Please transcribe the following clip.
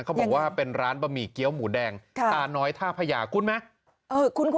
เขาบอกว่าเป็นร้านบะหมี่เกี้ยวหมูแดงตาน้อยท่าพญาคุ้นไหม